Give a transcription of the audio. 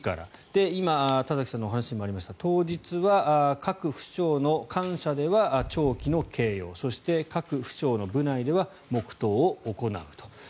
で、今田崎さんのお話にもありました当日は各府省の官舎では弔旗の掲揚そして、各府省の部内では黙祷を行うと。